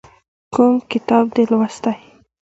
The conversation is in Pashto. کوم کتاب دې یې لوستی؟